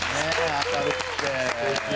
明るくて。